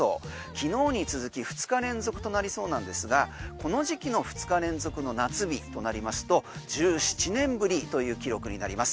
昨日に続き２日連続となりそうなんですがこの時期の２日連続の夏日となりますと１７年ぶりという記録になります。